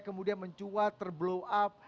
kemudian mencua terblow up